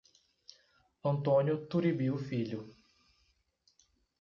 Antônio Turibio Filho